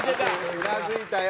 うなずいたよ。